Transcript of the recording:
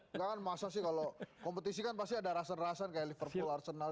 enggak kan masa sih kalau kompetisi kan pasti ada rasa rasa kayak liverpool arsenal